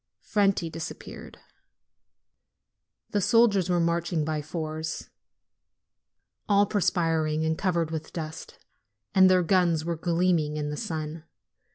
Franti disappeared. The soldiers were marching by fours, all perspiring and covered with dust, and their guns were gleaming in the sun.